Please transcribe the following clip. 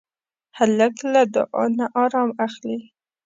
هلک له دعا نه ارام اخلي.